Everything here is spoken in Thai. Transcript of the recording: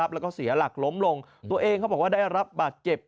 แล้วก็เสียหลักล้มลงตัวเองเขาบอกว่าได้รับบาดเจ็บ